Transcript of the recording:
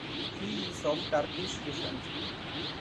He is of Turkish descent.